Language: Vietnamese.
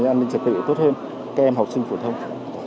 an ninh trật tự tốt hơn các em học sinh phổ thông